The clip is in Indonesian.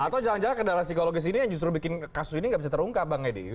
atau jangan jangan kendala psikologis ini yang justru bikin kasus ini nggak bisa terungkap bang edi